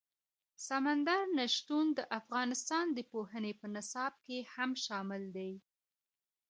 سمندر نه شتون د افغانستان د پوهنې په نصاب کې هم شامل دي.